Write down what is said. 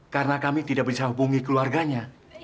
karena kami tidak bisa hubungi keluarganya